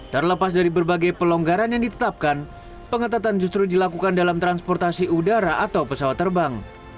terlepas dari berbagai pelonggaran yang ditetapkan pengetatan justru dilakukan dalam transportasi udara atau pesawat terbang